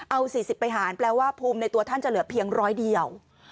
เอา๔๐ไปหารแปลว่าภูมิในตัวท่านจะเหลือเพียงร้อยเดียว